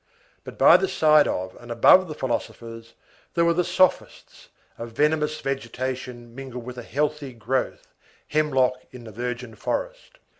But by the side of and above the philosophers, there were the sophists, a venomous vegetation mingled with a healthy growth, hemlock in the virgin forest.